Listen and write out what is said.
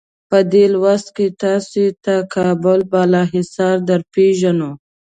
په دې لوست کې تاسې ته کابل بالا حصار درپېژنو.